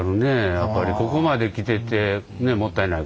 やっぱりここまで来ててもったいないことも。